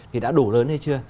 thì đã đủ lớn hay chưa